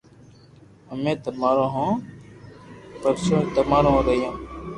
امي تمارو ھون پرڀو جي تمارو ھون رھيو